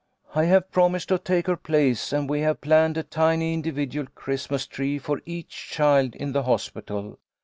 " I have promised to take her place here, and we have planned a tiny individual Christmas tree for each child in the hospital.